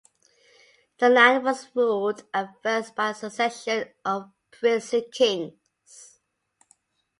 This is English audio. The land was ruled at first by a succession of priestly kings.